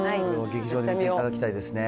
劇場で見ていただきたいですね。